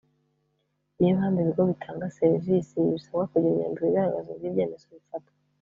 Ni yo mpamvu ibigo bitanga serivisi bisabwa kugira inyandiko igaragaza uburyo ibyemezo bifatwa,